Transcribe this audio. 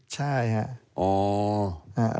ใช่ครับ